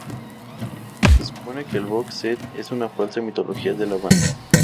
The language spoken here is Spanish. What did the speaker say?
Se supone que el box set es una falsa mitología de la banda.